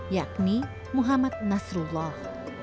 yakni muhammad nasrullah